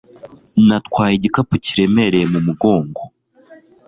natwaye igikapu kiremereye mu mugongo